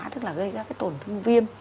tức là gây ra cái tổn thương viêm